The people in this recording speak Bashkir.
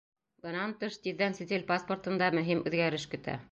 Бынан тыш, тиҙҙән сит ил паспортын да мөһим үҙгәреш көтә.